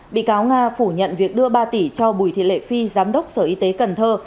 bị cáo nga phủ nhận việc đưa ba tỷ cho bùi thị lệ phi giám đốc sở y tế cần thơ